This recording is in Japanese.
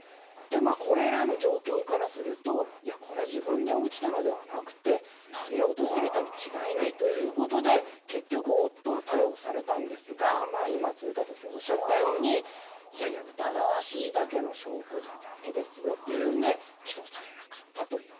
これらの状況からするとこれは自分で落ちたのではなくて投げ落とされたに違いないということで結局、夫は逮捕されたんですが今、住田先生がおっしゃったように疑わしいだけの証拠じゃだめですよということで起訴されなかったという。